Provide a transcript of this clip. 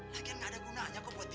lagian gak ada gunanya kok buat dia